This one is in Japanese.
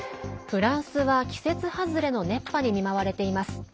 フランスは季節外れの熱波に見舞われています。